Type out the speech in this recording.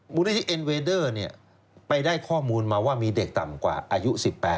มูลนิธิเอ็นเวเดอร์ไปได้ข้อมูลมาว่ามีเด็กต่ำกว่าอายุ๑๘